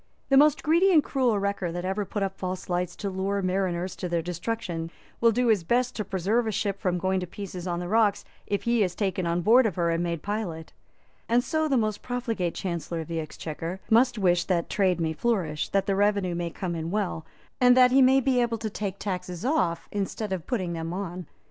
The most greedy and cruel wrecker that ever put up false lights to lure mariners to their destruction will do his best to preserve a ship from going to pieces on the rocks, if he is taken on board of her and made pilot; and so the most profligate Chancellor of the Exchequer most wish that trade may flourish, that the revenue may come in well, and that he may be able to take taxes off instead of putting them on.